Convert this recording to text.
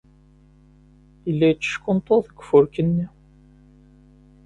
Yella yetteckunṭuḍ deg ufurk-nni.